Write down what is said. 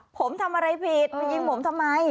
ผมทำอะไรผิดไปยิงผมทำไม